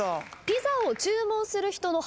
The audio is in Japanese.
ピザを注文する人の。